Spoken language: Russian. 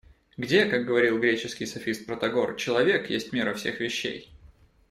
Где, как говорил греческий софист Протагор, человек есть мера всех вещей?